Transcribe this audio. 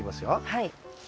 はい。